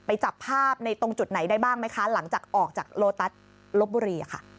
จับภาพในตรงจุดไหนได้บ้างไหมคะหลังจากออกจากโลตัสลบบุรีค่ะ